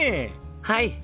はい！